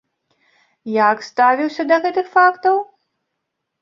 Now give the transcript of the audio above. Як ставіўся да гэтых фактаў?